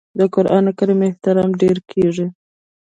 د قران کریم احترام ډیر کیږي.